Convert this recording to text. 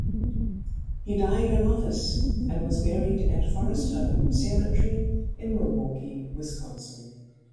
He died in office and was buried at Forest Home Cemetery in Milwaukee, Wisconsin.